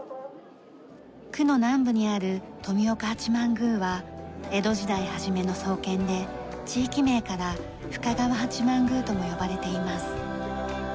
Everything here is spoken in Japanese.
区の南部にある富岡八幡宮は江戸時代初めの創建で地域名から深川八幡宮とも呼ばれています。